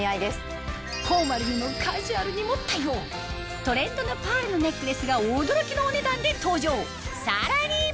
フォーマルにもカジュアルにも対応トレンドのパールのネックレスが驚きのお値段で登場さらに！